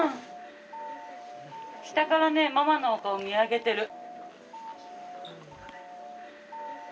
下からねママのお顔見上げてる。